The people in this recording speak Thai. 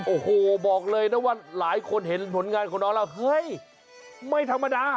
โอ้โหบอกเลยนะว่าหลายคนเห็นผลงานของน้องแล้วเฮ้ยไม่ธรรมดา